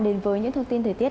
đến với những thông tin thời tiết